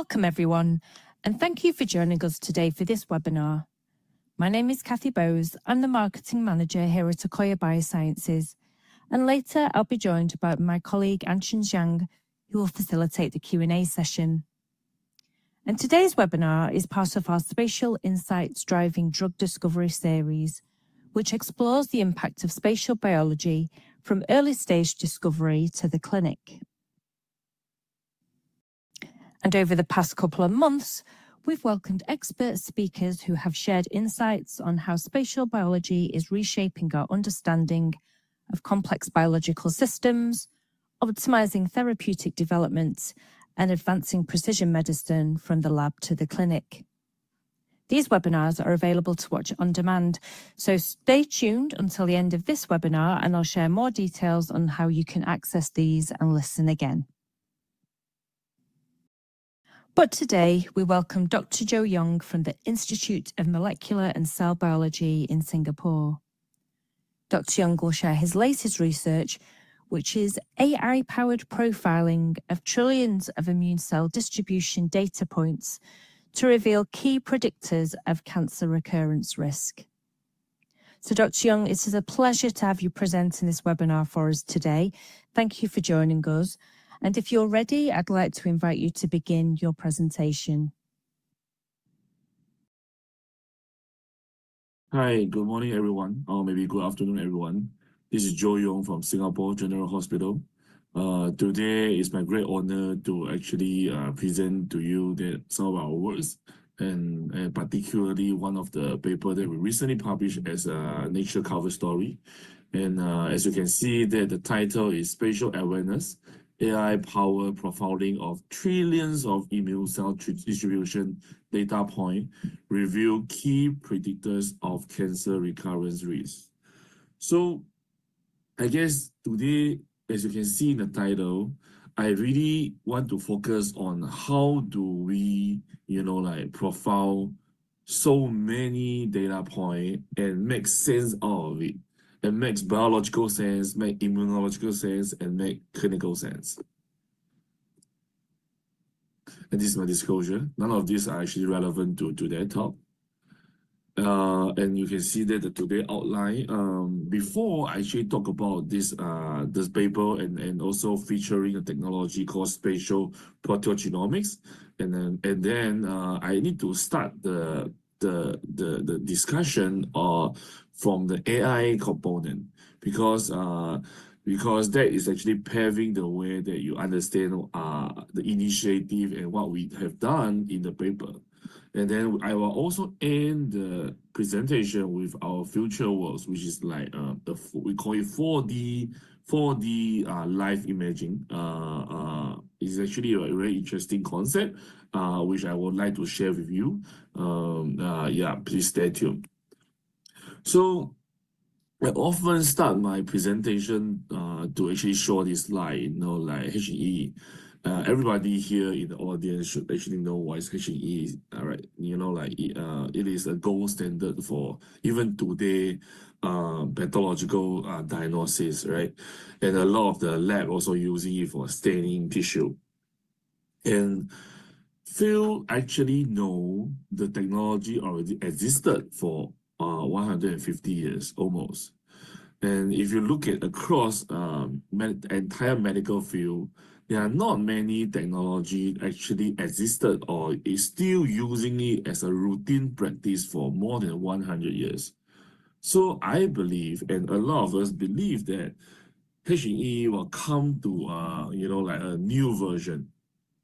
Welcome, everyone, and thank you for joining us today for this webinar. My name is Cathy Bowes. I'm the Marketing Manager here at Akoya Biosciences, and later I'll be joined by my colleague Anchen Zhang, who will facilitate the Q&A session. Today's webinar is part of our Spatial Insights Driving Drug Discovery series, which explores the impact of spatial biology from early-stage discovery to the clinic. Over the past couple of months, we've welcomed expert speakers who have shared insights on how spatial biology is reshaping our understanding of complex biological systems, optimizing therapeutic developments, and advancing precision medicine from the lab to the clinic. These webinars are available to watch on demand, so stay tuned until the end of this webinar, and I'll share more details on how you can access these and listen again. Today, we welcome Dr. Joe Yeong from the Institute of Molecular and Cell Biology in Singapore. Dr. Yeong will share his latest research, which is AI-powered profiling of trillions of immune cell distribution data points to reveal key predictors of cancer recurrence risk. Dr. Yeong, it is a pleasure to have you presenting this webinar for us today. Thank you for joining us. If you're ready, I'd like to invite you to begin your presentation. Hi, good morning, everyone. Or maybe good afternoon, everyone. This is Joe Yeong from Singapore General Hospital. Today, it's my great honor to actually present to you some of our works, and particularly one of the papers that we recently published as a Nature cover story. As you can see, the title is Spatial Awareness: AI-Powered Profiling of Trillions of Immune Cell Distribution Data Points Reveal Key Predictors of Cancer Recurrence Risk. I guess today, as you can see in the title, I really want to focus on how do we, you know, like profile so many data points and make sense out of it, and make biological sense, make immunological sense, and make clinical sense. This is my disclosure. None of these are actually relevant to today's talk. You can see that today's outline, before I actually talk about this paper and also featuring a technology called spatial proteogenomics. I need to start the discussion from the AI component, because that is actually paving the way that you understand the initiative and what we have done in the paper. I will also end the presentation with our future works, which is like we call it 4D live imaging. It's actually a very interesting concept, which I would like to share with you. Yeah, please stay tuned. I often start my presentation to actually show this slide, you know, like H&E. Everybody here in the audience should actually know what is H&E, right? You know, like it is a gold standard for even today's pathological diagnosis, right? A lot of the labs are also using it for staining tissue. The field actually knows the technology already existed for 150 years, almost. If you look at across the entire medical field, there are not many technologies that actually existed or are still using it as a routine practice for more than 100 years. I believe, and a lot of us believe, that H&E will come to, you know, like a new version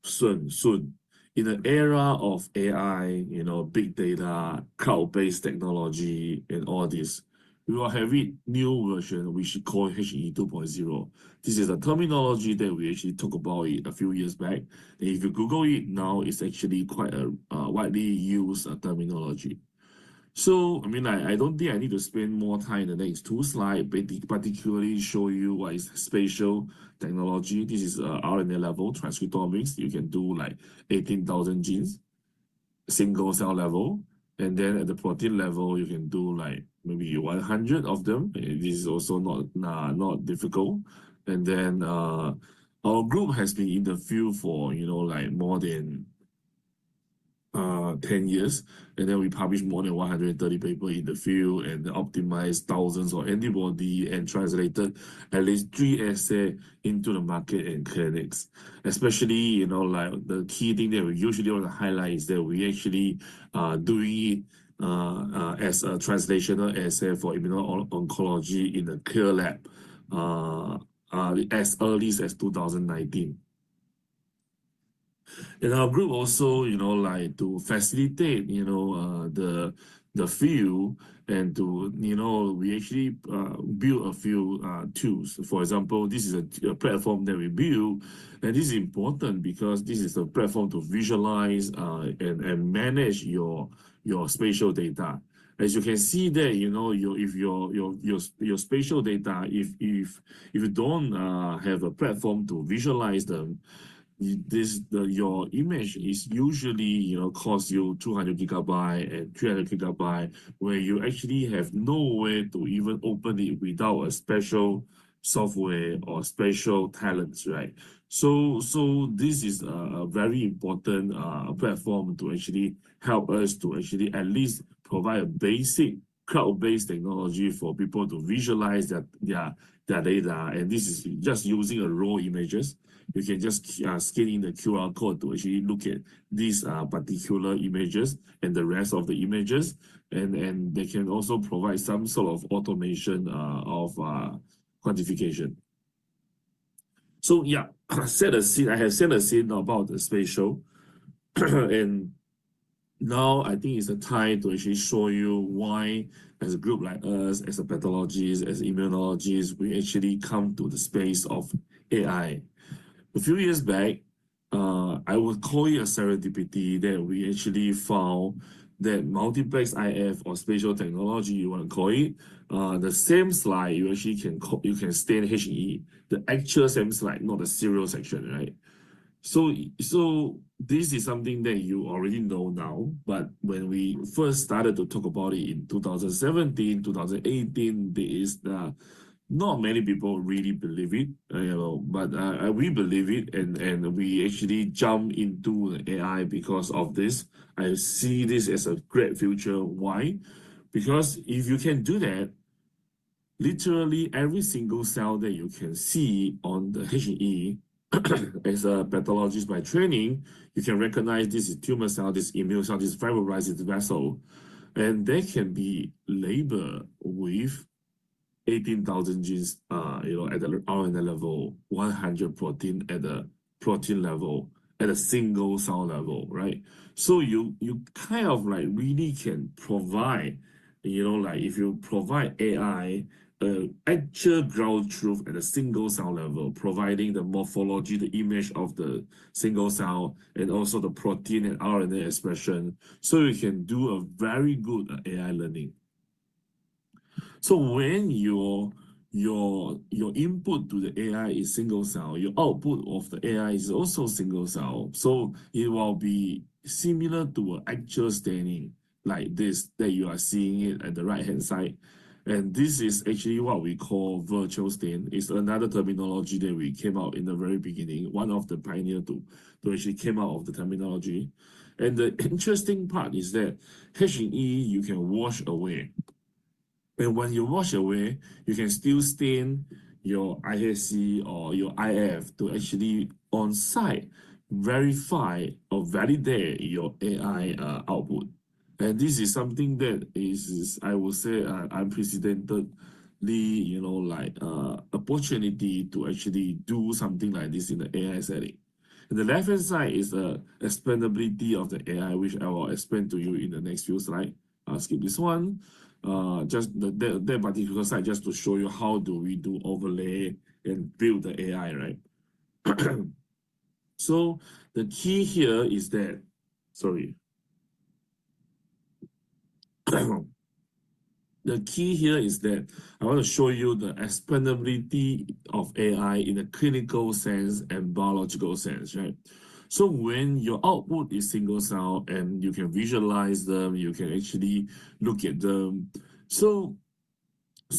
soon, soon. In the era of AI, you know, big data, cloud-based technology, and all this, we will have a new version we should call H&E 2.0. This is the terminology that we actually talked about a few years back. If you Google it now, it's actually quite a widely used terminology. I mean, I don't think I need to spend more time in the next two slides, particularly showing you what is spatial technology. This is RNA-level transcriptomics. You can do like 18,000 genes at the single-cell level. At the protein level, you can do like maybe 100 of them. This is also not difficult. Our group has been in the field for, you know, like more than 10 years. We published more than 130 papers in the field and optimized thousands of antibodies and translated at least three assays into the market and clinics. Especially, you know, like the key thing that we usually want to highlight is that we're actually doing it as a translational assay for immuno-oncology in a CLIA lab as early as 2019. Our group also, you know, like to facilitate, you know, the field and to, you know, we actually built a few tools. For example, this is a platform that we built. This is important because this is a platform to visualize and manage your spatial data. As you can see there, you know, if your spatial data, if you do not have a platform to visualize them, your image is usually, you know, costs you 200 gigabyte and 300 gigabyte, where you actually have no way to even open it without a special software or special talents, right? This is a very important platform to actually help us to actually at least provide a basic cloud-based technology for people to visualize their data. This is just using raw images. You can just scan the QR code to actually look at these particular images and the rest of the images. They can also provide some sort of automation of quantification. Yeah, I have said a thing about the spatial. I think it's the time to actually show you why, as a group like us, as pathologists, as immunologists, we actually come to the space of AI. A few years back, I would call it a serendipity that we actually found that multiplex IF, or spatial technology, you want to call it, the same slide you actually can scan H&E, the actual same slide, not the serial section, right? This is something that you already know now. When we first started to talk about it in 2017, 2018, there were not many people who really believed it. We believed it, and we actually jumped into AI because of this. I see this as a great future. Why? Because if you can do that, literally every single cell that you can see on the H&E, as a pathologist by training, you can recognize this is a tumor cell, this is immune cell, this is fibroblast, this is a vessel. That can be labeled with 18,000 genes at the RNA level, 100 proteins at the protein level, at a single-cell level, right? You kind of like really can provide, you know, like if you provide AI, an actual ground truth at a single-cell level, providing the morphology, the image of the single cell, and also the protein and RNA expression. You can do very good AI learning. When your input to the AI is single cell, your output of the AI is also single cell. It will be similar to an actual staining like this that you are seeing at the right-hand side. This is actually what we call virtual staining. It's another terminology that came out in the very beginning, one of the pioneers to actually come out of the terminology. The interesting part is that H&E, you can wash away. When you wash away, you can still stain your IHC or your IF to actually, on site, verify or validate your AI output. This is something that is, I would say, unprecedented, you know, like an opportunity to actually do something like this in the AI setting. The left-hand side is the expandability of the AI, which I will explain to you in the next few slides. I'll skip this one. Just that particular slide just to show you how do we do overlay and build the AI, right? The key here is that, sorry. The key here is that I want to show you the expandability of AI in a clinical sense and biological sense, right? When your output is single-cell and you can visualize them, you can actually look at them.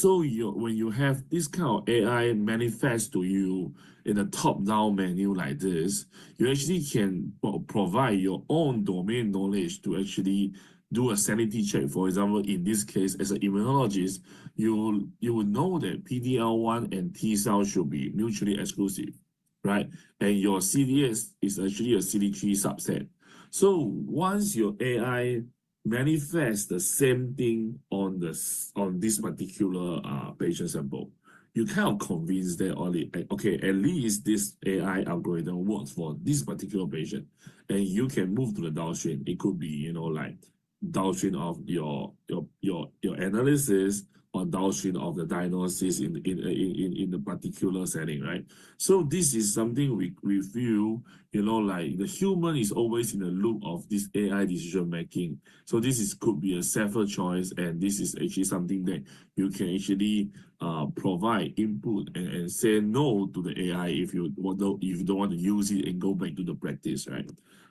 When you have this kind of AI manifest to you in a top-down menu like this, you actually can provide your own domain knowledge to actually do a sanity check. For example, in this case, as an immunologist, you will know that PD-L1 and T-cell should be mutually exclusive, right? Your CD3 is actually a CD3 subset. Once your AI manifests the same thing on this particular patient sample, you kind of convince that, okay, at least this AI algorithm works for this particular patient. You can move to the downstream. It could be, you know, like downstream of your analysis or downstream of the diagnosis in the particular setting, right? This is something we feel, you know, like the human is always in the loop of this AI decision-making. This could be a safer choice, and this is actually something that you can actually provide input and say no to the AI if you don't want to use it and go back to the practice, right?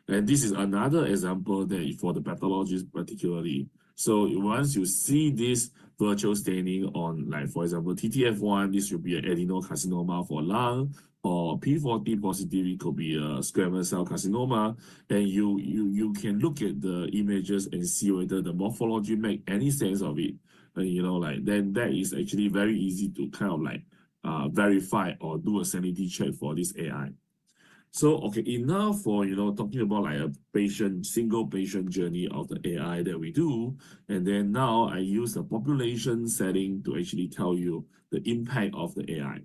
This is another example for the pathologist particularly. Once you see this virtual staining on, like, for example, TTF1, this should be an adenocarcinoma for lung, or p40 positive, it could be a squamous cell carcinoma. You can look at the images and see whether the morphology makes any sense of it. You know, like then that is actually very easy to kind of like verify or do a sanity check for this AI. Okay, enough for, you know, talking about like a patient, single patient journey of the AI that we do. Now I use a population setting to actually tell you the impact of the AI.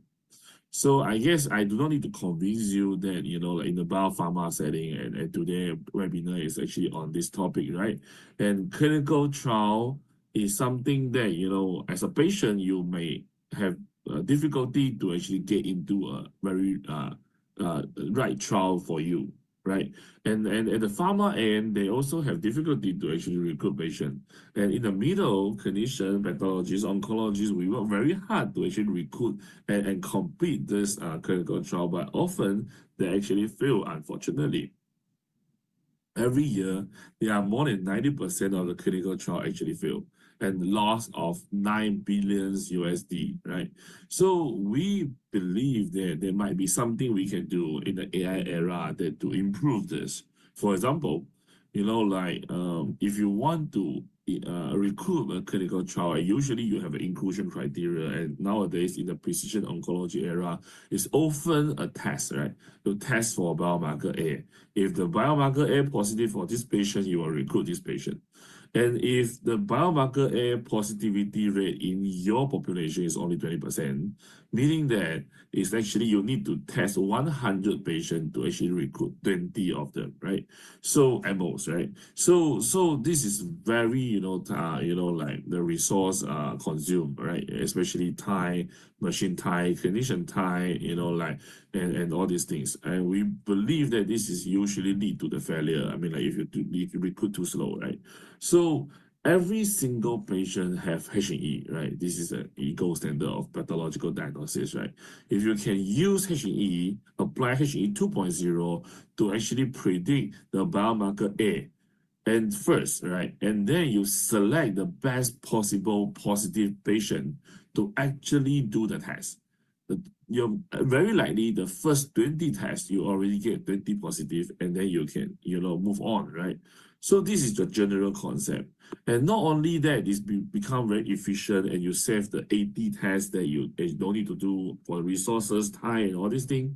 I guess I do not need to convince you that, you know, like in the biopharma setting, and today's webinar is actually on this topic, right? Clinical trial is something that, you know, as a patient, you may have difficulty to actually get into a very right trial for you, right? At the pharma end, they also have difficulty to actually recruit patients. In the middle, clinicians, pathologists, oncologists, we work very hard to actually recruit and complete this clinical trial. Often, they actually fail, unfortunately. Every year, more than 90% of the clinical trials actually fail, and the loss of $9 billion, right? We believe that there might be something we can do in the AI era to improve this. For example, you know, like if you want to recruit a clinical trial, usually you have an inclusion criteria. Nowadays, in the precision oncology era, it's often a test, right? You test for biomarker A. If the biomarker A is positive for this patient, you will recruit this patient. If the biomarker A positivity rate in your population is only 20%, meaning that you need to test 100 patients to actually recruit 20 of them, right? at best, right? This is very, you know, you know, like the resource consumed, right? Especially tie, machine tie, clinician tie, you know, like, and all these things. We believe that this usually leads to the failure. I mean, like if you recruit too slow, right? Every single patient has H&E, right? This is an ego standard of pathological diagnosis, right? If you can use H&E, apply H&E 2.0 to actually predict the biomarker A at first, right? Then you select the best possible positive patient to actually do the test. Very likely, the first 20 tests, you already get 20 positive, and you can, you know, move on, right? This is the general concept. Not only that, it becomes very efficient, and you save the 80 tests that you do not need to do for the resources, tie, and all these things.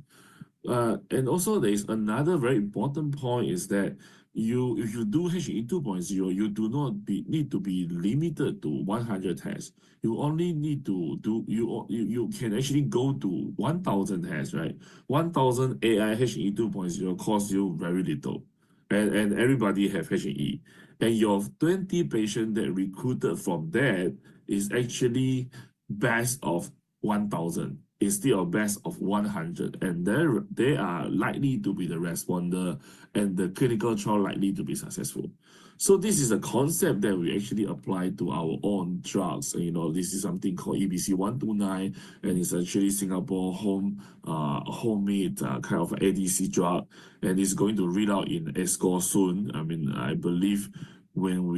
Also, there's another very important point, which is that if you do H&E 2.0, you do not need to be limited to 100 tests. You only need to do, you can actually go to 1,000 tests, right? 1,000 AI H&E 2.0 costs you very little. Everybody has H&E. Your 20 patients that are recruited from that are actually the best of 1,000 instead of the best of 100. They are likely to be the responder, and the clinical trial is likely to be successful. This is a concept that we actually apply to our own drugs. You know, this is something called EBC-129, and it's actually a Singapore homemade kind of ADC drug. It's going to read out in ASCO soon. I mean, I believe when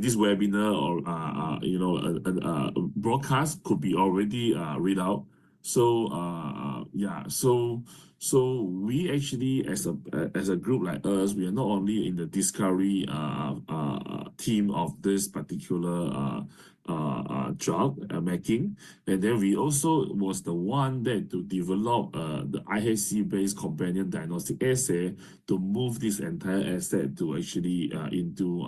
this webinar or, you know, broadcast could be already read out. Yeah, we actually, as a group like us, we are not only in the discovery team of this particular drug making. We also were the ones that developed the IHC-based companion diagnostic assay to move this entire asset actually into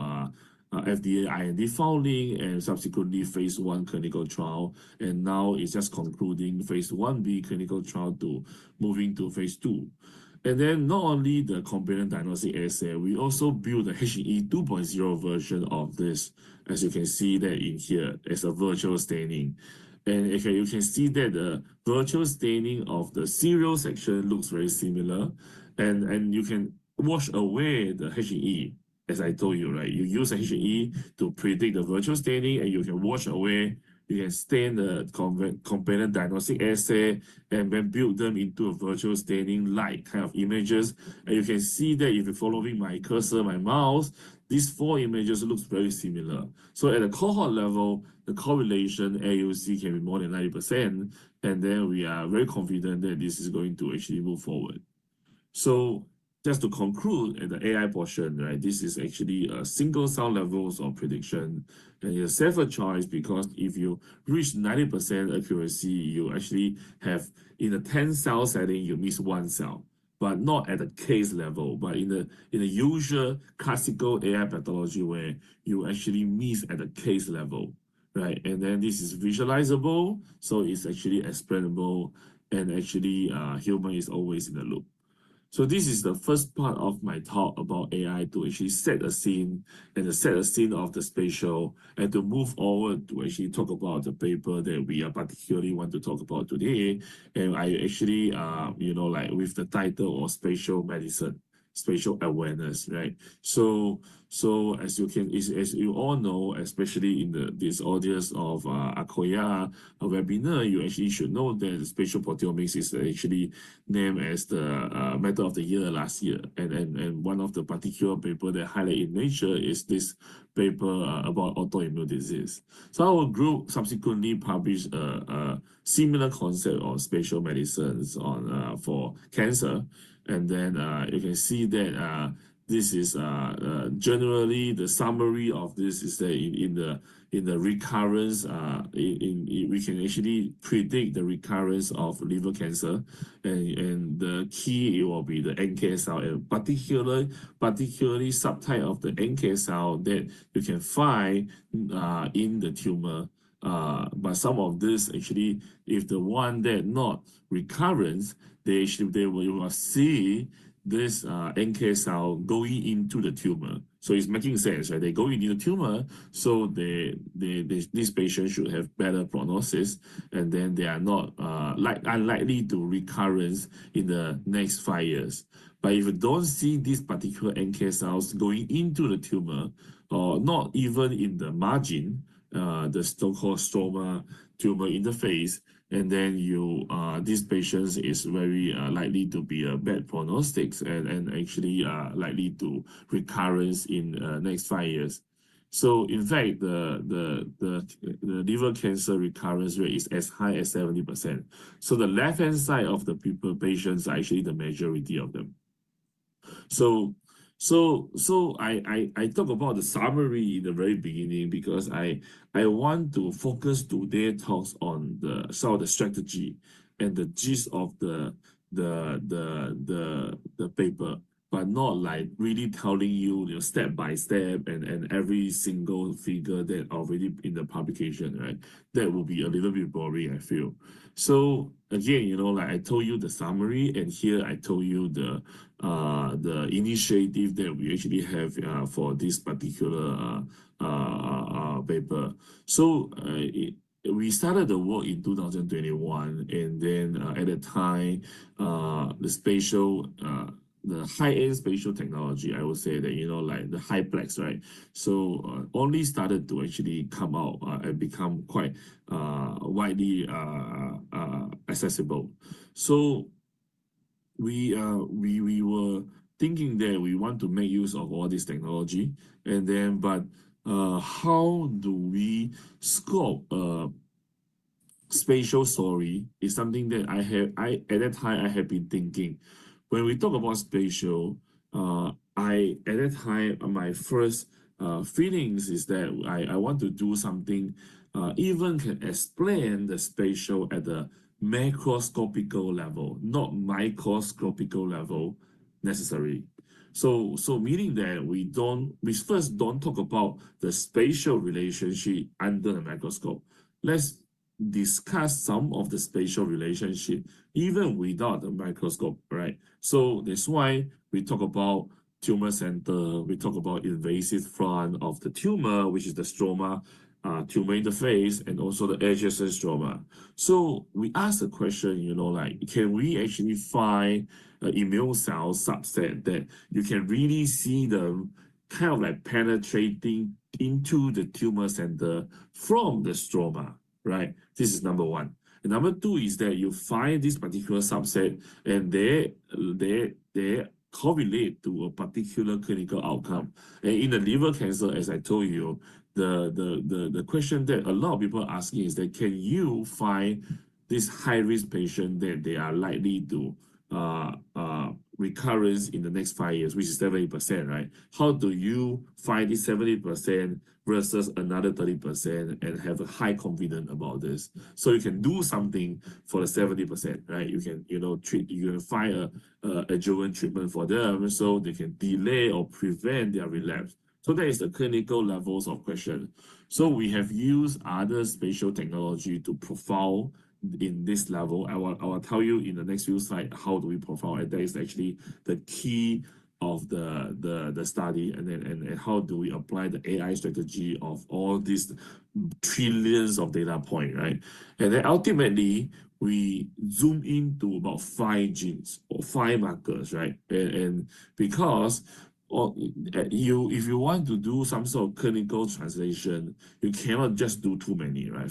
FDA IND filing and subsequently Phase 1 clinical trial. Now it's just concluding Phase 1b clinical trial to moving to Phase 2. Not only the companion diagnostic assay, we also built the H&E 2.0 version of this, as you can see in here, as a virtual staining. You can see that the virtual staining of the serial section looks very similar. You can wash away the H&E, as I told you, right? You use H&E to predict the virtual staining, and you can wash away, you can stain the companion diagnostic assay, and then build them into a virtual staining-like kind of images. You can see that if you're following my cursor, my mouse, these four images look very similar. At the cohort level, the correlation AUC can be more than 90%. We are very confident that this is going to actually move forward. Just to conclude at the AI portion, right, this is actually a single-cell levels of prediction. It's a safer choice because if you reach 90% accuracy, you actually have, in a 10-cell setting, you miss one cell. Not at the case level, but in the usual classical AI pathology where you actually miss at the case level, right? This is visualizable, so it's actually explainable, and actually humans are always in the loop. This is the first part of my talk about AI to actually set a scene and to set a scene of the spatial and to move forward to actually talk about the paper that we particularly want to talk about today. I actually, you know, like with the title of Spatial Medicine, Spatial Awareness, right? As you all know, especially in this audience of Akoya Webinar, you actually should know that the spatial proteomics is actually named as the method of the year last year. One of the particular papers that highlight in Nature is this paper about autoimmune disease. Our group subsequently published a similar concept of spatial medicines for cancer. You can see that this is generally the summary of this is that in the recurrence, we can actually predict the recurrence of liver cancer. The key will be the NK cell, particularly subtype of the NK cell that you can find in the tumor. Some of this actually, if the one that not recurrence, they will see this NK cell going into the tumor. It's making sense, right? They go into the tumor, so these patients should have better prognosis, and then they are not unlikely to recurrence in the next five years. If you don't see these particular NK cells going into the tumor, or not even in the margin, the so-called stroma tumor interface, these patients are very likely to be a bad prognostics and actually likely to recurrence in the next five years. In fact, the liver cancer recurrence rate is as high as 70%. The left-hand side of the patients are actually the majority of them. I talk about the summary in the very beginning because I want to focus today's talk on the strategy and the gist of the paper, but not like really telling you step by step and every single figure that's already in the publication, right? That would be a little bit boring, I feel. Again, you know, like I told you the summary, and here I told you the initiative that we actually have for this particular paper. We started the work in 2021, and then at the time, the high-end spatial technology, I would say that, you know, like the Hyperion, right? Only started to actually come out and become quite widely accessible. We were thinking that we want to make use of all this technology. Then, how do we scope spatial story is something that at that time I had been thinking. When we talk about spatial, at that time, my first feelings is that I want to do something even can explain the spatial at the macroscopical level, not microscopical level necessarily. Meaning that we first do not talk about the spatial relationship under the microscope. Let's discuss some of the spatial relationship even without the microscope, right? That's why we talk about tumor center, we talk about invasive front of the tumor, which is the stroma tumor interface, and also the adjacent stroma. We asked the question, you know, like, can we actually find an immune cell subset that you can really see them kind of like penetrating into the tumor center from the stroma, right? This is number one. Number two is that you find this particular subset, and they correlate to a particular clinical outcome. In liver cancer, as I told you, the question that a lot of people are asking is that, can you find this high-risk patient that they are likely to recur in the next five years, which is 70%, right? How do you find this 70% versus another 30% and have a high confidence about this? You can do something for the 70%, right? You can, you know, treat, you can find an adjuvant treatment for them so they can delay or prevent their relapse. That is the clinical levels of question. We have used other spatial technology to profile in this level. I will tell you in the next few slides how do we profile, and that is actually the key of the study. Then how do we apply the AI strategy of all these trillions of data points, right? Ultimately, we zoom into about five genes or five markers, right? Because if you want to do some sort of clinical translation, you cannot just do too many, right?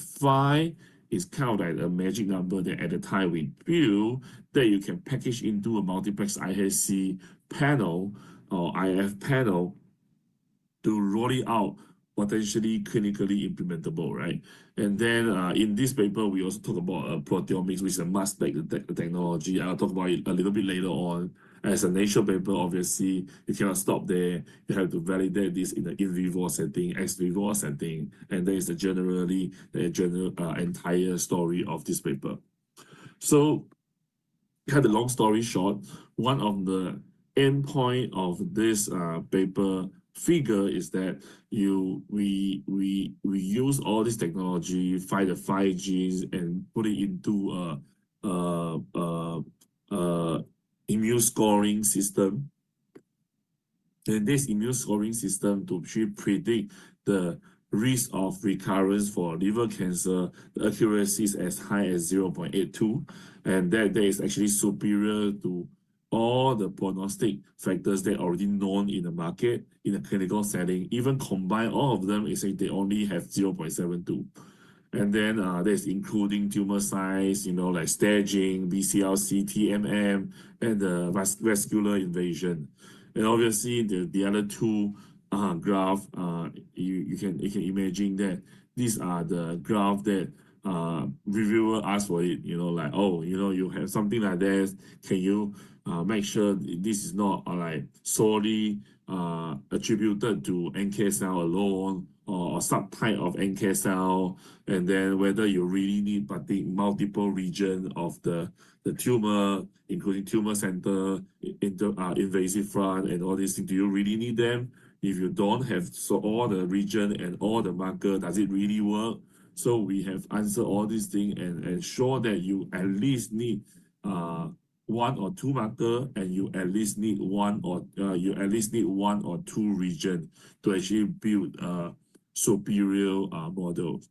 Five is kind of like a magic number that at the time we build that you can package into a multiplex IHC panel or IF panel to roll it out potentially clinically implementable, right? In this paper, we also talk about proteomics, which is a mass spec technology. I'll talk about it a little bit later on. As a Nature paper, obviously, you cannot stop there. You have to validate this in the in vivo setting, ex vivo setting. And there is generally the entire story of this paper. Kind of long story short, one of the end points of this paper figure is that we use all this technology, find the five genes, and put it into an immune scoring system. This immune scoring system to predict the risk of recurrence for liver cancer, the accuracy is as high as 0.82. That is actually superior to all the prognostic factors that are already known in the market in a clinical setting. Even combined, all of them, it's like they only have 0.72. There is including tumor size, you know, like staging, BCLC, TNM, and the vascular invasion. Obviously, the other two graphs, you can imagine that these are the graphs that reviewers ask for, you know, like, oh, you know, you have something like this. Can you make sure this is not solely attributed to NK cell alone or subtype of NK cell? And then whether you really need multiple regions of the tumor, including tumor center, invasive front, and all these things. Do you really need them? If you do not have all the regions and all the markers, does it really work? We have answered all these things and ensured that you at least need one or two markers, and you at least need one or two regions to actually build a superior model.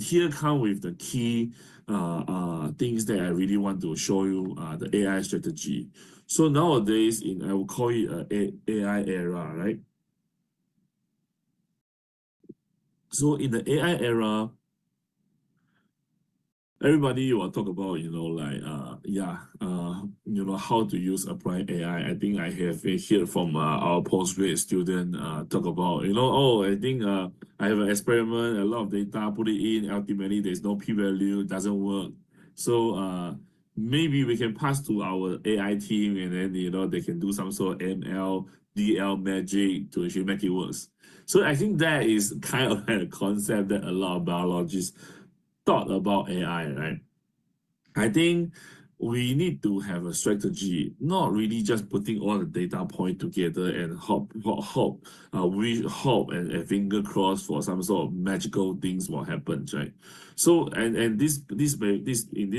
Here come the key things that I really want to show you, the AI strategy. Nowadays, I will call it an AI era, right? In the AI era, everybody will talk about, you know, like, yeah, you know, how to use applied AI. I think I have heard from our post-grad student talk about, you know, oh, I think I have an experiment, a lot of data put it in, ultimately there's no P-value, doesn't work. Maybe we can pass to our AI team, and then, you know, they can do some sort of ML, DL magic to actually make it work. I think that is kind of like a concept that a lot of biologists thought about AI, right? I think we need to have a strategy, not really just putting all the data points together and hope, hope, hope, and finger crossed for some sort of magical things will happen, right? In this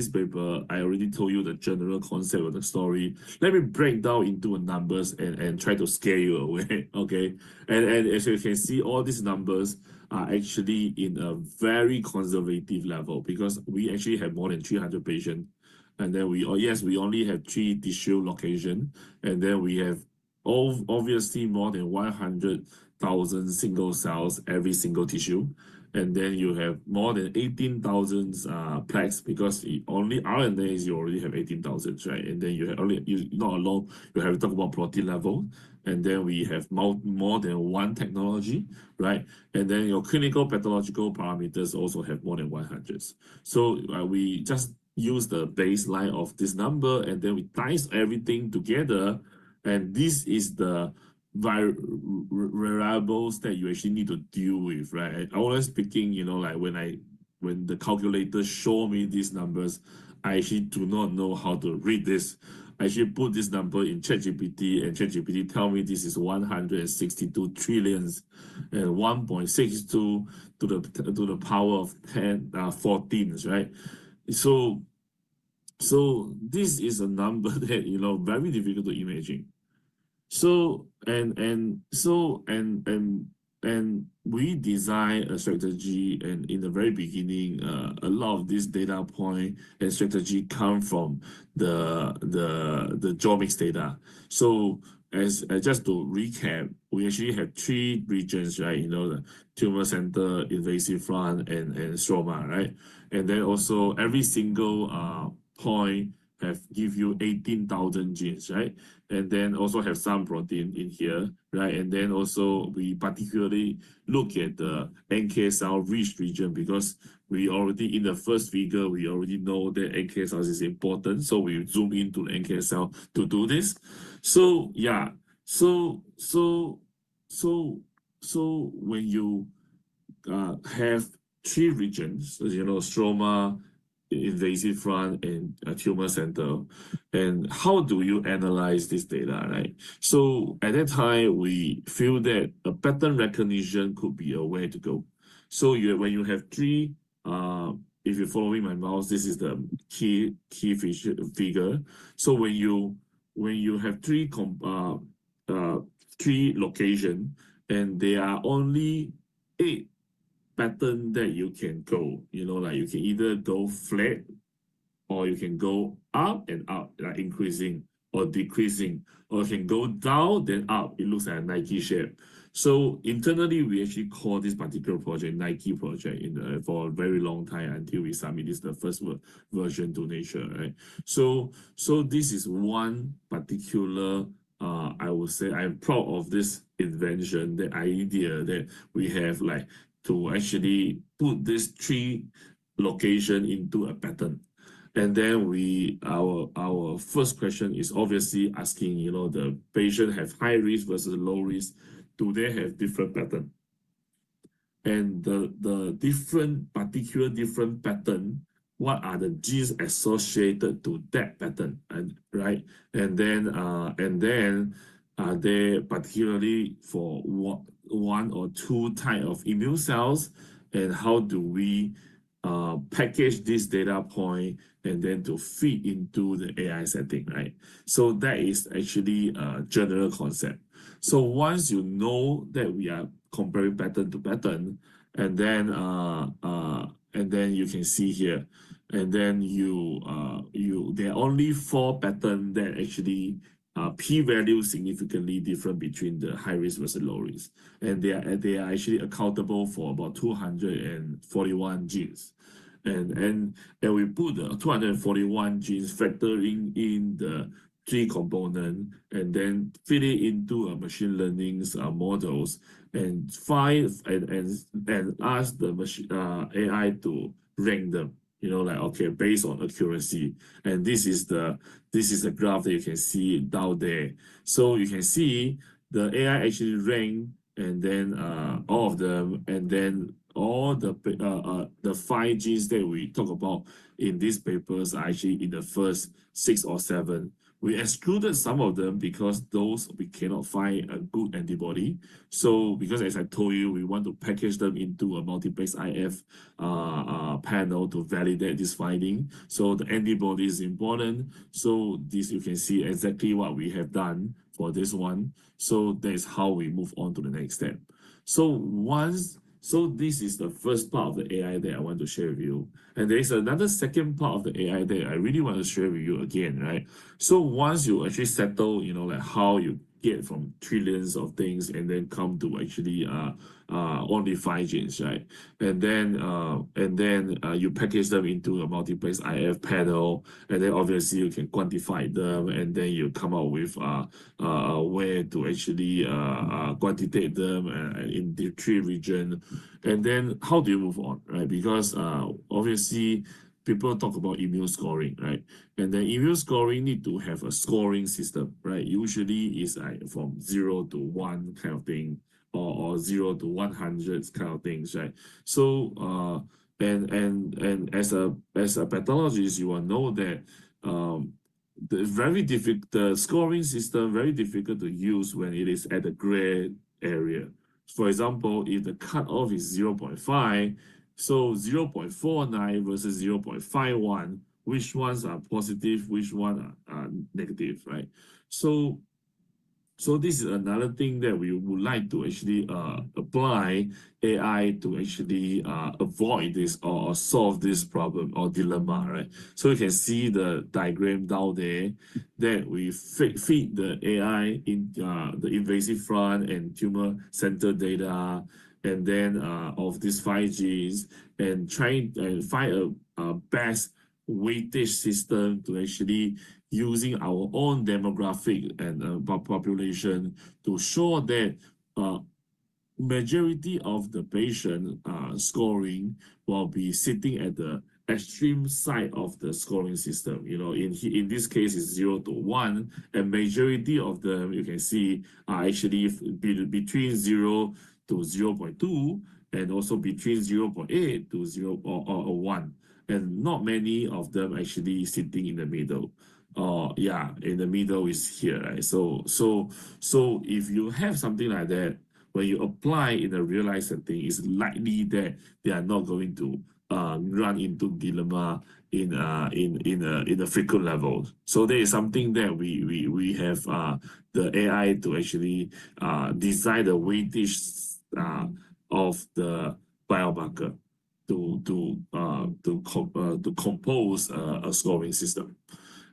paper, I already told you the general concept of the story. Let me break down into numbers and try to scare you away, okay? As you can see, all these numbers are actually in a very conservative level because we actually have more than 300 patients. Yes, we only have three tissue locations. We have obviously more than 100,000 single cells every single tissue. You have more than 18,000 plex because only RNAs, you already have 18,000, right? You are not alone. You have to talk about protein level. We have more than one technology, right? Your clinical pathological parameters also have more than 100. We just use the baseline of this number, and then we dice everything together. This is the variables that you actually need to deal with, right? I was speaking, you know, like when the calculator showed me these numbers, I actually do not know how to read this. I actually put this number in ChatGPT, and ChatGPT told me this is 162 trillion and 1.62 times 10 to the 14, right? This is a number that, you know, very difficult to imagine. We designed a strategy, and in the very beginning, a lot of these data points and strategies come from the GeoMx data. Just to recap, we actually have three regions, right? You know, the tumor center, invasive front, and stroma, right? Also, every single point has given you 18,000 genes, right? Also have some protein in here, right? We particularly look at the NK cell rich region because we already, in the first figure, we already know that NK cells are important. We zoom into the NK cell to do this. Yeah, when you have three regions, you know, stroma, invasive front, and tumor center, and how do you analyze this data, right? At that time, we feel that a pattern recognition could be a way to go. When you have three, if you're following my mouse, this is the key figure. When you have three locations and there are only eight patterns that you can go, you know, like you can either go flat or you can go up and up, like increasing or decreasing, or you can go down then up. It looks like a Nike shape. Internally, we actually called this particular project Nike Project for a very long time until we submitted the first version to Nature, right? This is one particular, I would say, I'm proud of this invention, the idea that we have like to actually put these three locations into a pattern. Our first question is obviously asking, you know, the patient has high risk versus low risk, do they have different patterns? The different particular different patterns, what are the genes associated to that pattern, right? Are they particularly for one or two types of immune cells, and how do we package these data points and then to feed into the AI setting, right? That is actually a general concept. Once you know that we are comparing pattern to pattern, you can see here, there are only four patterns that actually P-value is significantly different between the high risk versus low risk. They are actually accountable for about 241 genes. We put the 241 genes factoring in the three components and then fit it into a machine learning models and ask the AI to rank them, you know, like, okay, based on accuracy. This is the graph that you can see down there. You can see the AI actually ranked, and then all of them, and then all the five genes that we talk about in this paper are actually in the first six or seven. We excluded some of them because those we cannot find a good antibody. Because, as I told you, we want to package them into a multiplex IF panel to validate this finding. The antibody is important. You can see exactly what we have done for this one. That is how we move on to the next step. This is the first part of the AI that I want to share with you. There is another second part of the AI that I really want to share with you again, right? Once you actually settle, you know, like how you get from trillions of things and then come to actually only five genes, right? Then you package them into a multiplex IF panel, and then obviously you can quantify them, and then you come up with a way to actually quantitate them in the three regions. How do you move on, right? Because obviously people talk about immune scoring, right? Immune scoring needs to have a scoring system, right? Usually it's like from zero to one kind of thing or zero to 100 kind of things, right? As a pathologist, you will know that the scoring system is very difficult to use when it is at a gray area. For example, if the cutoff is 0.5, so 0.49 versus 0.51, which ones are positive, which ones are negative, right? This is another thing that we would like to actually apply AI to actually avoid this or solve this problem or dilemma, right? You can see the diagram down there that we feed the AI in the invasive front and tumor center data and then of these five genes and try and find a best weightage system to actually use our own demographic and population to show that the majority of the patient scoring will be sitting at the extreme side of the scoring system. You know, in this case, it's zero to one, and the majority of them, you can see, are actually between zero to 0.2 and also between 0.8 to one. Not many of them are actually sitting in the middle. Yeah, in the middle is here, right? If you have something like that, when you apply in a real-life setting, it's likely that they are not going to run into dilemma in the frequent levels. There is something that we have the AI to actually decide the weightage of the biomarker to compose a scoring system.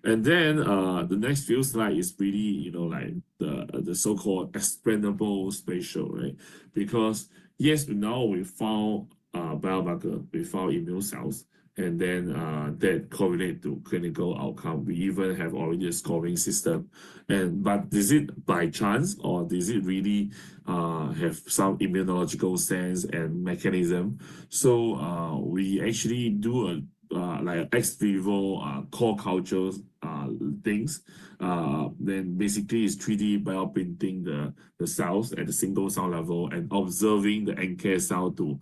The next few slides is really, you know, like the so-called expandable spatial, right? Because yes, now we found biomarker, we found immune cells, and then that correlates to clinical outcome. We even have already a scoring system. Is it by chance or does it really have some immunological sense and mechanism? We actually do ex vivo co-culture things. Basically, it's 3D bioprinting the cells at the single cell level and observing the NK cell to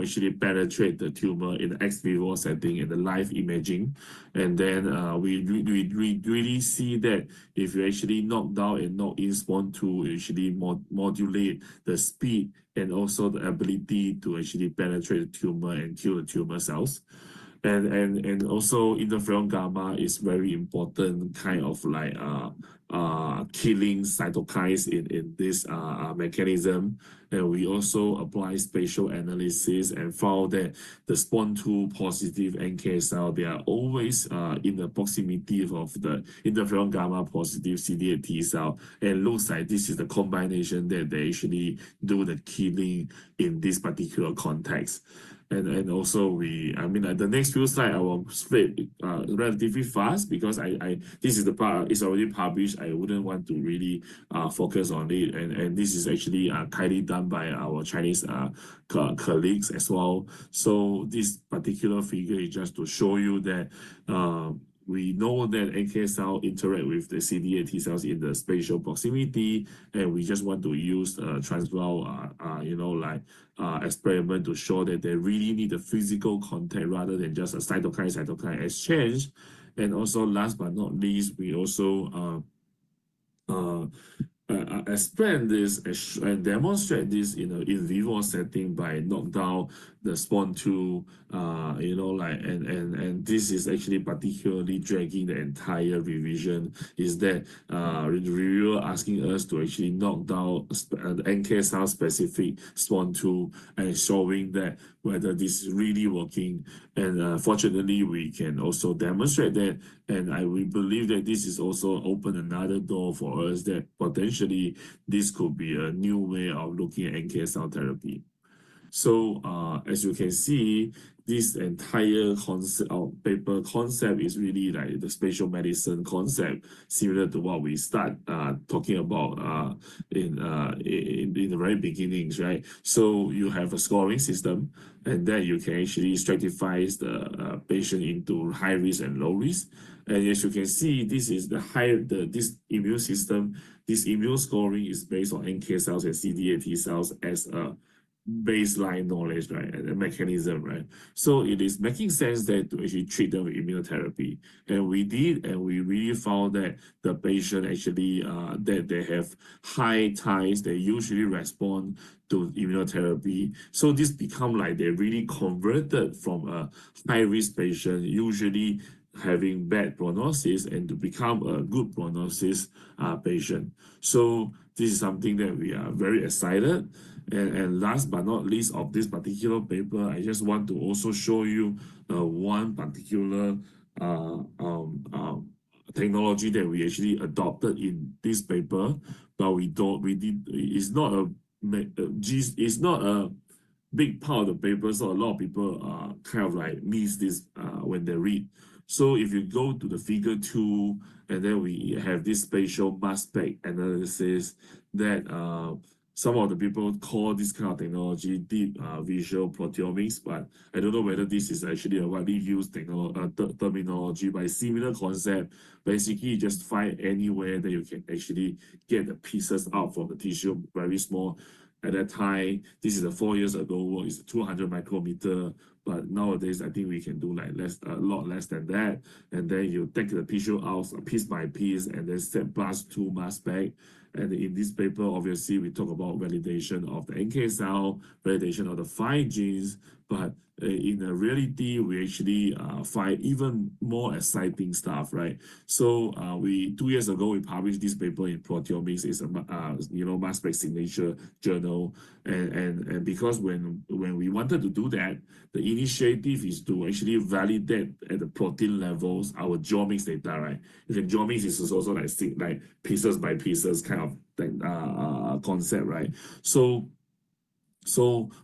actually penetrate the tumor in the ex vivo setting and the live imaging. We really see that if you actually knock down and knock in SPON2 to actually modulate the speed and also the ability to actually penetrate the tumor and kill the tumor cells. Also, interferon gamma is a very important kind of killing cytokine in this mechanism. We also apply spatial analysis and found that the SPON2-positive NK cell, they are always in the proximity of the interferon gamma-positive CD8 T cell. It looks like this is the combination that they actually do the killing in this particular context. I mean, the next few slides, I will split relatively fast because this is the part that's already published. I wouldn't want to really focus on it. This is actually kindly done by our Chinese colleagues as well. This particular figure is just to show you that we know that NK cells interact with the CD8 T cells in the spatial proximity, and we just want to use a Transwell, you know, like experiment to show that they really need a physical contact rather than just a cytokine-cytokine exchange. Last but not least, we also expand this and demonstrate this in a real-world setting by knocking down the SPON2-SPON2, you know, like, and this is actually particularly dragging the entire revision is that they're asking us to actually knock down the NK cell-specific SPON2 and showing that whether this is really working. Fortunately, we can also demonstrate that. We believe that this is also opening another door for us that potentially this could be a new way of looking at NK cell therapy. As you can see, this entire paper concept is really like the spatial medicine concept similar to what we started talking about in the very beginnings, right? You have a scoring system, and then you can actually stratify the patient into high risk and low risk. As you can see, this immune scoring is based on NK cells and CD8 T cells as a baseline knowledge, right, and a mechanism, right? It is making sense to actually treat them with immunotherapy. We did, and we really found that the patient actually, that they have high TIS, they usually respond to immunotherapy. This becomes like they really converted from a high-risk patient usually having bad prognosis into becoming a good prognosis patient. This is something that we are very excited. Last but not least of this particular paper, I just want to also show you one particular technology that we actually adopted in this paper, but we don't, it's not a big part of the paper, so a lot of people kind of like miss this when they read. If you go to the figure two, then we have this spatial mass spec analysis that some of the people call this kind of technology Deep Visual Proteomics, but I don't know whether this is actually a widely used terminology but similar concept. Basically, just find anywhere that you can actually get the pieces out from the tissue, very small at that time. This is four years ago, it's 200 micrometers, but nowadays, I think we can do like a lot less than that. You take the tissue out piece by piece and then sent to mass spec. In this paper, obviously, we talk about validation of the NK cell, validation of the five genes, but in reality, we actually find even more exciting stuff, right? Two years ago, we published this paper in Proteomics, it's a mass spec signature journal. Because when we wanted to do that, the initiative is to actually validate at the protein levels our GeoMx data, right? GeoMx is also like pieces by pieces kind of concept, right?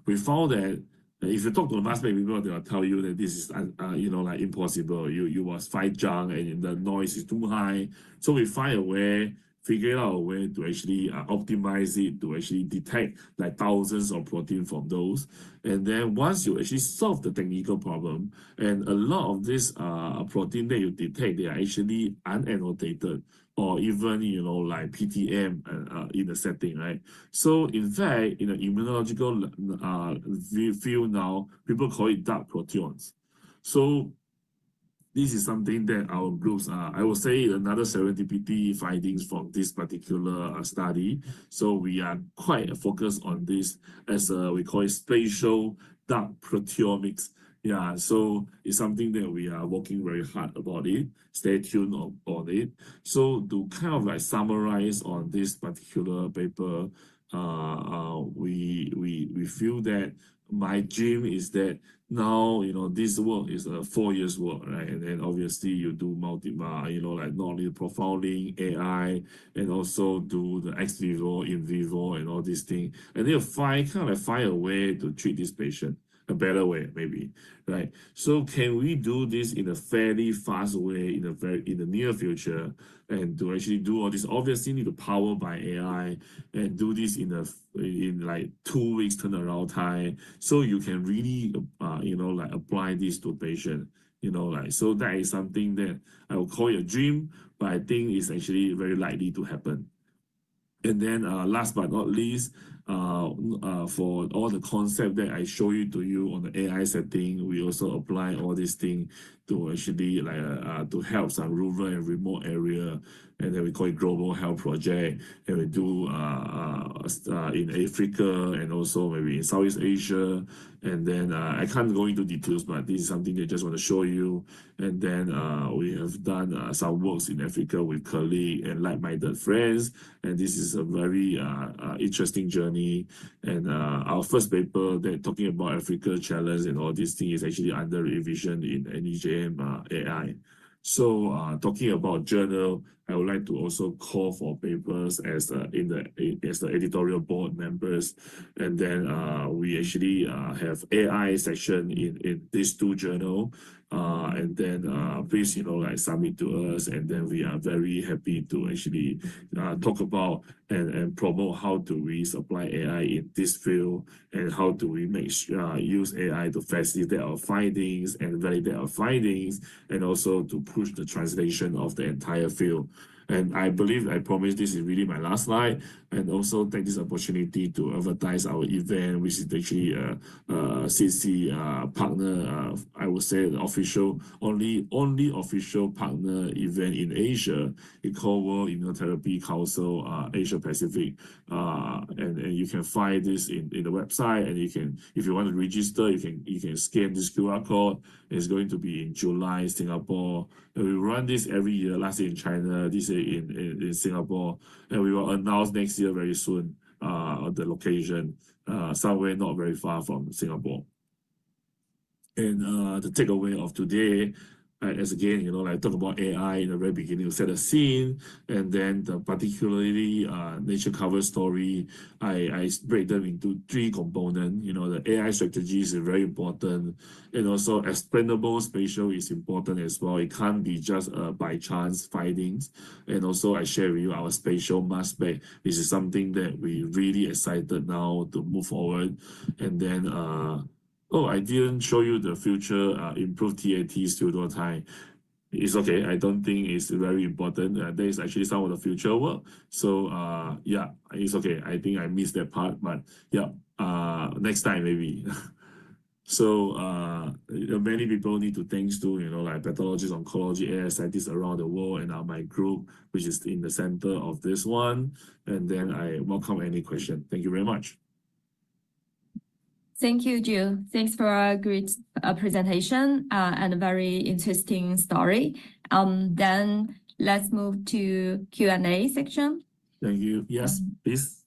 We found that if you talk to the mass spec people, they'll tell you that this is, you know, like impossible. You must fight junk and the noise is too high. We find a way, figure out a way to actually optimize it to actually detect like thousands of proteins from those. Once you actually solve the technical problem, a lot of these proteins that you detect, they are actually unannotated or even, you know, like PTM in the setting, right? In fact, in the immunological field now, people call it dark proteomics. This is something that our groups, I will say another serendipity findings from this particular study. We are quite focused on this as we call it spatial dark proteomics. Yeah, it's something that we are working very hard about it. Stay tuned on it. To kind of like summarize on this particular paper, we feel that my dream is that now, you know, this work is a four-year work, right? Obviously, you do multi, you know, like non-biased profiling, AI, and also do the ex vivo, in vivo, and all these things. You find kind of like find a way to treat this patient a better way, maybe, right? Can we do this in a fairly fast way in the near future and to actually do all this? Obviously, need the power by AI and do this in like two weeks turnaround time. You can really, you know, like apply this to a patient, you know, like, so that is something that I will call your dream, but I think it's actually very likely to happen. Last but not least, for all the concept that I showed you to you on the AI setting, we also apply all these things to actually like to help some rural and remote area. We call it Global Health Project. We do in Africa and also maybe in Southeast Asia. I can't go into details, but this is something I just want to show you. We have done some works in Africa with colleagues and like-minded friends. This is a very interesting journey. Our first paper that talking about Africa challenge and all these things is actually under revision in NEJM AI. Talking about journal, I would like to also call for papers as the editorial board members. We actually have an AI section in these two journals. Please, you know, like submit to us. We are very happy to actually talk about and promote how to really supply AI in this field and how do we make use of AI to facilitate our findings and validate our findings and also to push the translation of the entire field. I believe, I promise this is really my last slide. I also take this opportunity to advertise our event, which is actually a SITC partner, I would say the only official partner event in Asia. It's called World Immunotherapy Council Asia Pacific. You can find this on the website. If you want to register, you can scan this QR code. It's going to be in July, Singapore. We run this every year, last year in China, this year in Singapore. We will announce next year very soon, the location somewhere not very far from Singapore. The takeaway of today, as again, you know, like talk about AI in the very beginning, set a scene. Then the particularly Nature cover story, I break them into three components. You know, the AI strategy is very important. Also, expandable spatial is important as well. It cannot be just by chance findings. Also, I share with you our spatial mass spec. This is something that we are really excited now to move forward. Oh, I did not show you the future improved TAT, still do not have time. It is okay. I do not think it is very important. There is actually some of the future work. Yeah, it is okay. I think I missed that part, but yeah, next time maybe. So many people need to thank, you know, like pathologists, oncologists, AI scientists around the world and our my group, which is in the center of this one. I welcome any questions. Thank you very much. Thank you, Joe. Thanks for a great presentation and a very interesting story. Let's move to the Q&A section. Thank you. Yes, please.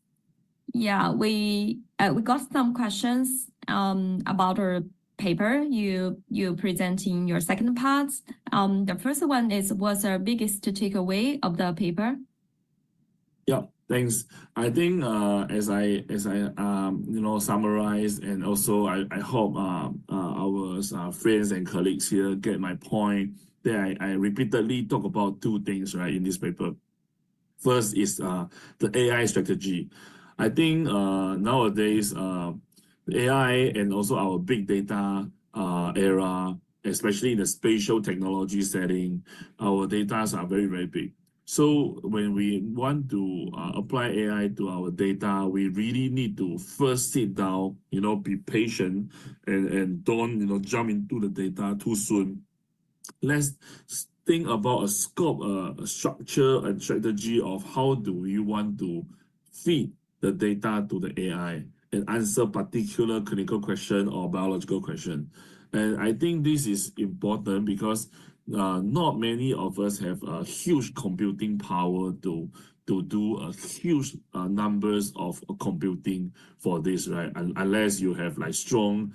Yeah, we got some questions about our paper you present in your second part. The first one is, what's our biggest takeaway of the paper? Yeah, thanks. I think as I, you know, summarize and also I hope our friends and colleagues here get my point that I repeatedly talk about two things, right, in this paper. First is the AI strategy. I think nowadays the AI and also our big data era, especially in the spatial technology setting, our data are very, very big. When we want to apply AI to our data, we really need to first sit down, you know, be patient and don't, you know, jump into the data too soon. Let's think about a scope, a structure, and strategy of how do we want to feed the data to the AI and answer particular clinical questions or biological questions. I think this is important because not many of us have a huge computing power to do huge numbers of computing for this, right? Unless you have like strong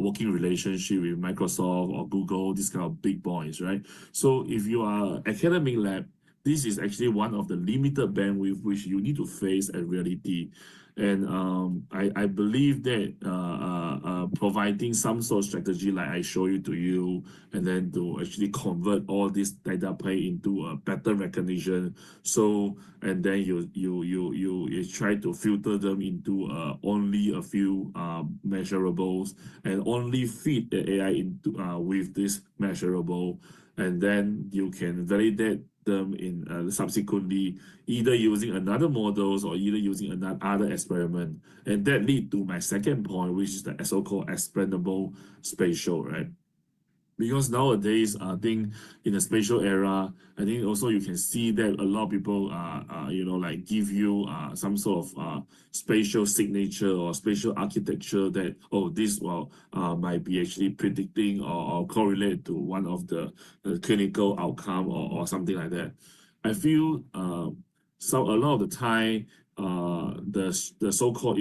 working relationships with Microsoft or Google, these kind of big boys, right? If you are an academic lab, this is actually one of the limited bandwidth which you need to face at reality. I believe that providing some sort of strategy like I showed to you and then to actually convert all this data play into a better recognition. Then you try to filter them into only a few measurables and only feed the AI with this measurable. You can validate them subsequently, either using another models or either using another experiment. That leads to my second point, which is the so-called expandable spatial, right? Because nowadays, I think in the spatial era, I think also you can see that a lot of people, you know, like give you some sort of spatial signature or spatial architecture that, oh, this well might be actually predicting or correlate to one of the clinical outcomes or something like that. I feel a lot of the time, the so-called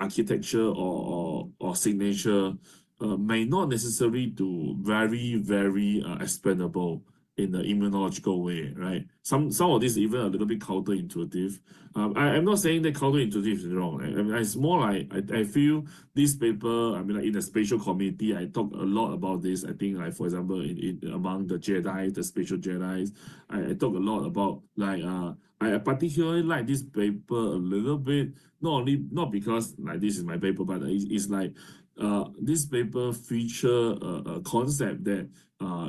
architecture or signature may not necessarily do very, very expandable in the immunological way, right? Some of these are even a little bit counterintuitive. I'm not saying that counterintuitive is wrong. It's more like I feel this paper, I mean, like in the spatial community, I talk a lot about this. I think like, for example, among the Jedi, the spatial Jedis, I talk a lot about like, I particularly like this paper a little bit, not only not because like this is my paper, but it's like this paper features a concept that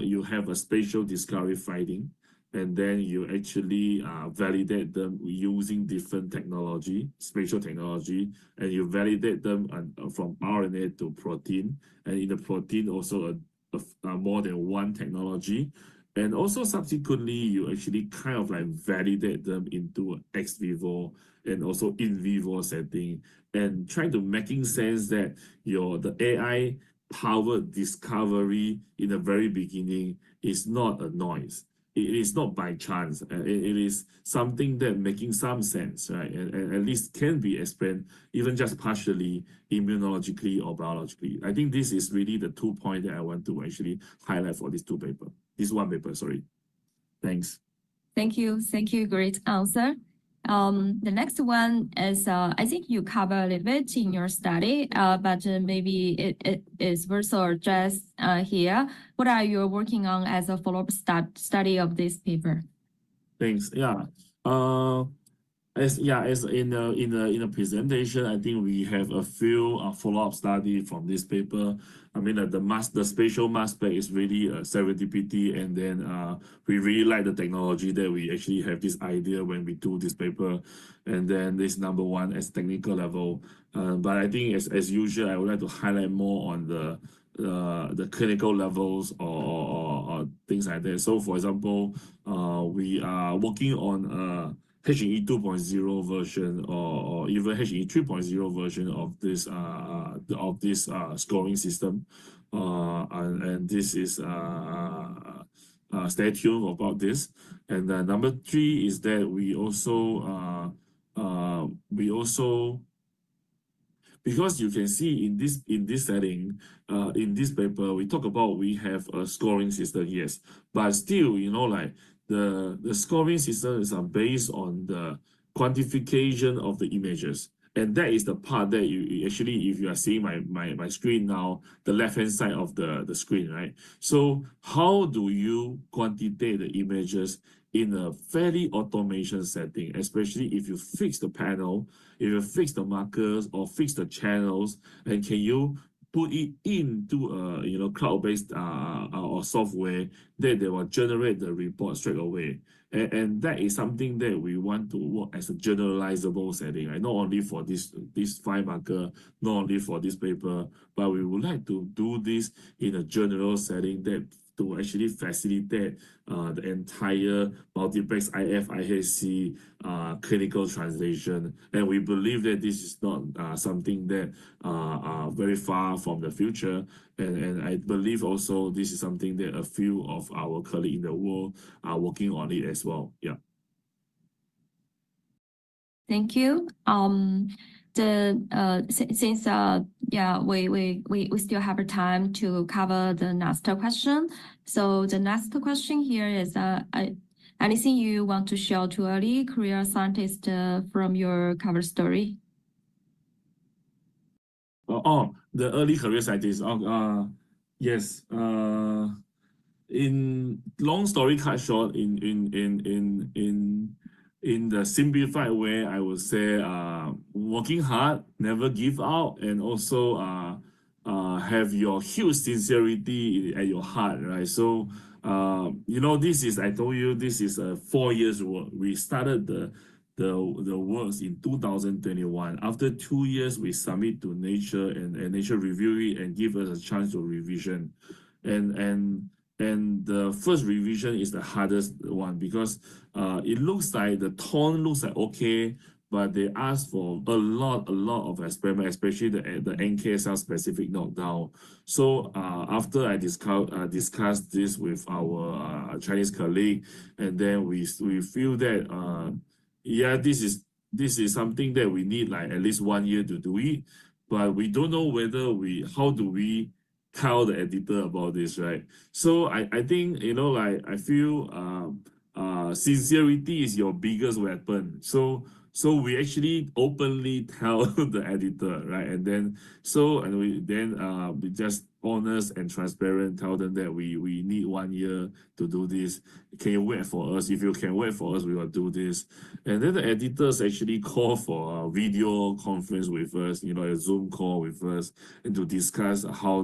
you have a spatial discovery finding, and then you actually validate them using different technology, spatial technology, and you validate them from RNA to protein, and in the protein also more than one technology. Also subsequently, you actually kind of like validate them into ex vivo and also in vivo setting and try to make sense that the AI-powered discovery in the very beginning is not a noise. It is not by chance. It is something that makes some sense, right? At least can be explained even just partially immunologically or biologically. I think this is really the two points that I want to actually highlight for this two papers. This one paper, sorry. Thanks. Thank you. Thank you, great answer. The next one is, I think you covered a little bit in your study, but maybe it is worth to address here. What are you working on as a follow-up study of this paper? Thanks. Yeah. Yeah, as in the presentation, I think we have a few follow-up studies from this paper. I mean, the spatial mass spec is really a serendipity, and then we really like the technology that we actually have this idea when we do this paper. This number one is technical level. I think as usual, I would like to highlight more on the clinical levels or things like that. For example, we are working on H&E 2.0 version or even H&E 3.0 version of this scoring system. Stay tuned about this. Number three is that we also, because you can see in this setting, in this paper, we talk about we have a scoring system, yes. Still, you know, like the scoring system is based on the quantification of the images. That is the part that you actually, if you are seeing my screen now, the left-hand side of the screen, right? How do you quantitate the images in a fairly automation setting, especially if you fix the panel, if you fix the markers or fix the channels, and can you put it into a cloud-based software that will generate the report straight away? That is something that we want to work as a generalizable setting, right? Not only for this five marker, not only for this paper, but we would like to do this in a general setting to actually facilitate the entire multiplex IF IHC clinical translation. We believe that this is not something that is very far from the future. I believe also this is something that a few of our colleagues in the world are working on as well. Thank you. Since we still have time to cover the next question, the next question here is, anything you want to share to early career scientists from your cover story? Oh, the early career scientists. Yes. In long story cut short, in the simplified way, I would say working hard, never give up, and also have your huge sincerity at your heart, right? You know, this is, I told you, this is a four-year work. We started the works in 2021. After two years, we submit to Nature and Nature review it and give us a chance to revision. The first revision is the hardest one because it looks like the tone looks like okay, but they ask for a lot, a lot of experiment, especially the NKSL specific knockdown. After I discussed this with our Chinese colleague, and then we feel that, yeah, this is something that we need like at least one year to do it, but we don't know whether we, how do we tell the editor about this, right? I think, you know, like I feel sincerity is your biggest weapon. We actually openly tell the editor, right? We just honest and transparent tell them that we need one year to do this. Can you wait for us? If you can wait for us, we will do this. Then the editors actually call for a video conference with us, you know, a Zoom call with us to discuss how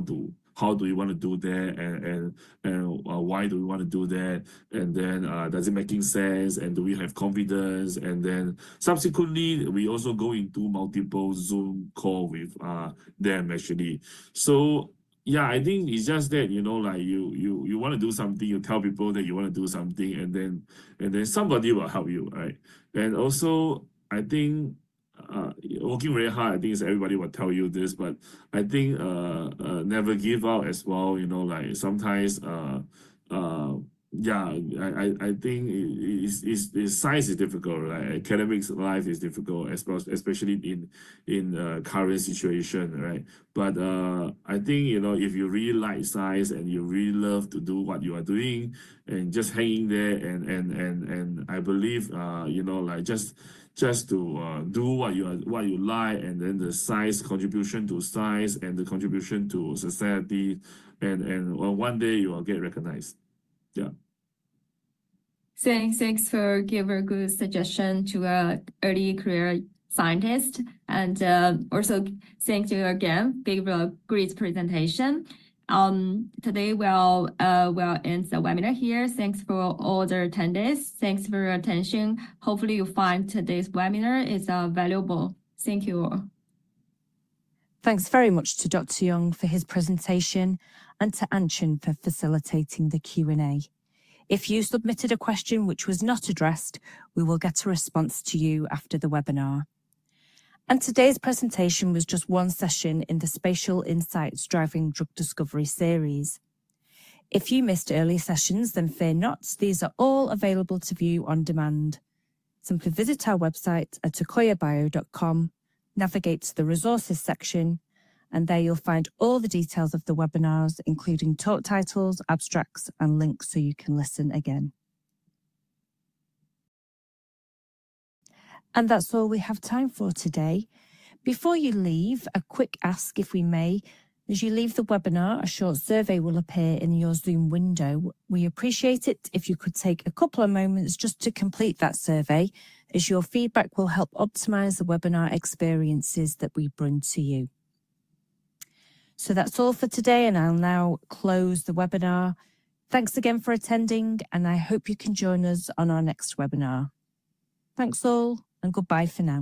do we want to do that and why do we want to do that. Then does it make sense, and do we have confidence. Subsequently, we also go into multiple Zoom calls with them actually. Yeah, I think it's just that, you know, like you want to do something, you tell people that you want to do something, and then somebody will help you, right? Also, I think working very hard, I think everybody will tell you this, but I think never give up as well, you know, like sometimes, yeah, I think the size is difficult, right? Academic life is difficult, especially in the current situation, right? I think, you know, if you really like science and you really love to do what you are doing and just hang in there, and I believe, you know, like just do what you like, and then the science contribution to science and the contribution to society, and one day you will get recognized. Yeah. Thanks for giving a good suggestion to an early career scientist. Also, thank you again, gave a great presentation. Today we'll end the webinar here. Thanks for all the attendees. Thanks for your attention. Hopefully you find today's webinar is valuable. Thank you all. Thanks very much to Dr. Yeong for his presentation and to Anchen for facilitating the Q&A. If you submitted a question which was not addressed, we will get a response to you after the webinar. Today's presentation was just one session in the Spatial Insights Driving Drug Discovery series. If you missed early sessions, then fear not, these are all available to view on demand. Simply visit our website at akoyabio.com, navigate to the resources section, and there you'll find all the details of the webinars, including talk titles, abstracts, and links so you can listen again. That's all we have time for today. Before you leave, a quick ask if we may, as you leave the webinar, a short survey will appear in your Zoom window. We appreciate it if you could take a couple of moments just to complete that survey, as your feedback will help optimize the webinar experiences that we bring to you. That's all for today, and I'll now close the webinar. Thanks again for attending, and I hope you can join us on our next webinar. Thanks all, and goodbye for now.